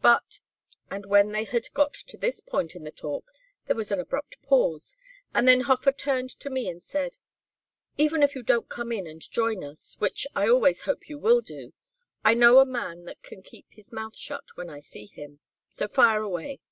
But and when they had got to this point in the talk there was an abrupt pause, and then Hofer turned to me and said: 'Even if you don't come in and join us, which I always hope you will do, I know a man that can keep his mouth shut when I see him. So fire away.'